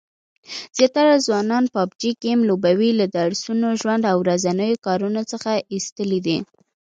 زیاتره ځوانان پابجي ګیم لوبولو له درسونو، ژوند او ورځنیو کارونو څخه ایستلي دي